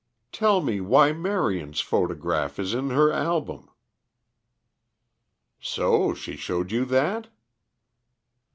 "Tell me why Marion's photograph is in her album." "So she showed you that!"